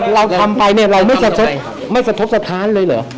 เราทำไปเนี้ยเราไม่สรรพสมบัติสัตว์ท้านเลยเหรอ